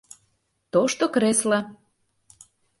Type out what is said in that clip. Тошто кресло